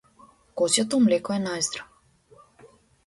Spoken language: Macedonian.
Козјото млеко е најздраво.